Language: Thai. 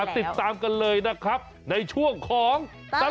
ติดตามกันเลยนะครับในช่วงของตารันโชว์